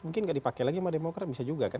mungkin nggak dipakai lagi sama demokrat bisa juga kan